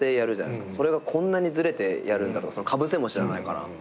それがこんなにずれてやるんだとか被せも知らないから。